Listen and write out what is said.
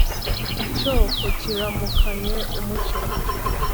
Icyoko kiramukanye umucyo